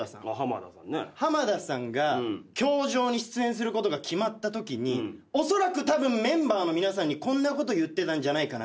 濱田さんが『教場』に出演することが決まったときにおそらくたぶんメンバーの皆さんにこんなこと言ってたんじゃないかな。